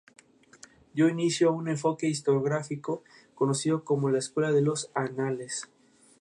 Dio inicio a un enfoque historiográfico conocido como la Escuela de los Annales.